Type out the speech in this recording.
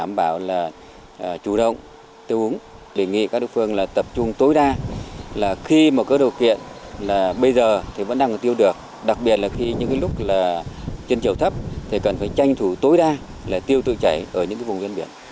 đảm bảo là chủ động tiêu uống đề nghị các địa phương là tập trung tối đa là khi mà có điều kiện là bây giờ thì vẫn đang tiêu được đặc biệt là khi những lúc là trên chiều thấp thì cần phải tranh thủ tối đa là tiêu tự chảy ở những vùng dân biển